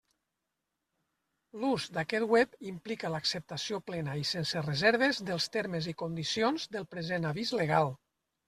L'ús d'aquest web implica l'acceptació plena i sense reserves dels termes i condicions del present avís legal.